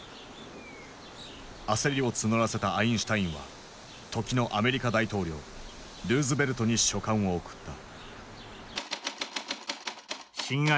焦りを募らせたアインシュタインは時のアメリカ大統領ルーズベルトに書簡を送った。